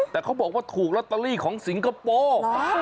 แต่เขาบอกว่าถูกลอตเตอรี่ของสิงคโปร์